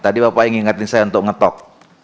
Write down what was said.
tadi bapak ngingetin saya untuk ngetok